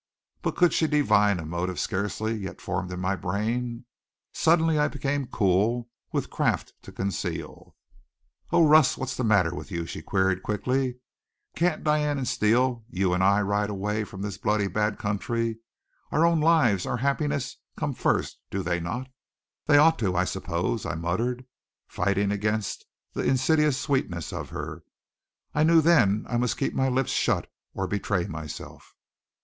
But could she divine a motive scarcely yet formed in my brain? Suddenly I became cool, with craft to conceal. "Oh, Russ! What's the matter with you?" she queried quickly. "Can't Diane and Steele, you and I ride away from this bloody, bad country? Our own lives, our happiness, come first, do they not?" "They ought to, I suppose," I muttered, fighting against the insidious sweetness of her. I knew then I must keep my lips shut or betray myself.